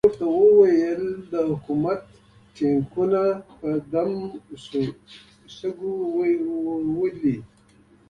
ده ورته ویلي وو چې د حکومت ټانګونه په دم شوو شګو وولي.